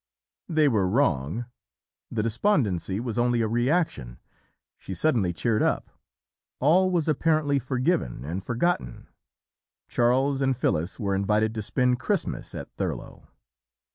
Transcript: They were wrong; the despondency was only a reaction, she suddenly cheered up, all was apparently forgiven and forgotten. Charles and Phyllis were invited to spend Christmas at Thurlow.